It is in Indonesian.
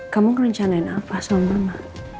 kamu ngerencanain apa sama mama